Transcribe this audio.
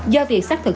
do việc xác thực